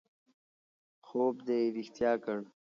خوب دې رښتیا کړ